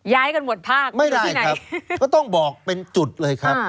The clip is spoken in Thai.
ย้ายกันหมดภาคอยู่ที่ไหนไม่ได้ครับก็ต้องบอกเป็นจุดเลยครับ